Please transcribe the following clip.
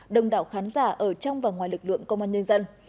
đồng đảo khán giả ở trong và ngoài lực lượng công an nhân dân